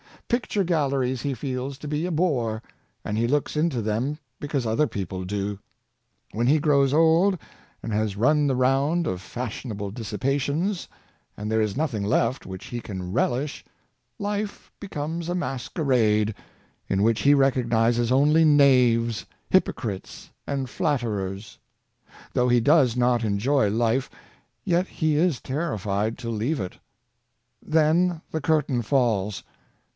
Picture galleries he feels to be a bore, and he looks into them because other people do. When he grows old, Taste an Econoniist, 13 and has run the round of fashionable dissipations, and there is nothing left which he can relish, life becomes a masquerade, in which he recognizes only knaves, hypo crites and flatterers. Though he does not enjoy life, yet he is terrified to leave it. Then the curtain falls.